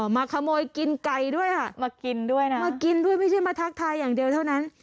มาขโมยกินไก่ด้วยค่ะมากินด้วยนะมากินด้วยไม่ใช่มาทักทายอย่างเดียวเท่านั้น